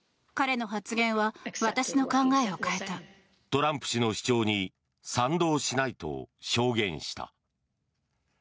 トランプ氏の主張に賛同しないと証言した。